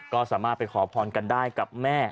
ก็สามารถไปขอพรกันได้กับแม่